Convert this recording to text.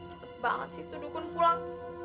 cepet banget sih itu dukun pulang